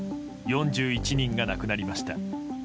４１人が亡くなりました。